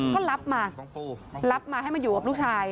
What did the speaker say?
ก็รับมารับมาให้มาอยู่กับลูกชาย